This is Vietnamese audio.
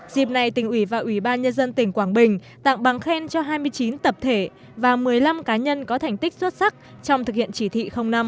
dịp này tỉnh ủy và ủy ban nhân dân tỉnh quảng bình tặng bằng khen cho hai mươi chín tập thể và một mươi năm cá nhân có thành tích xuất sắc trong thực hiện chỉ thị năm